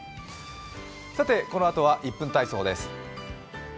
このあとは１分体操です。